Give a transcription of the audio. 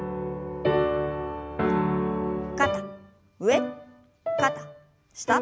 肩上肩下。